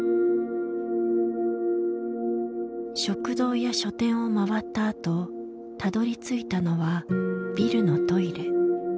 食堂や書店を回ったあとたどりついたのはビルのトイレ。